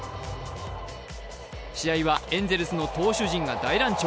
試合はエンゼルスの投手陣が大乱調。